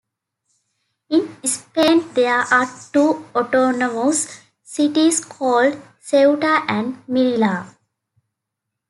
In Spain there are two autonomous cities called Ceuta and Melilla.